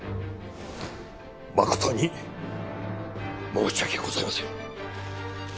誠に申し訳ございません。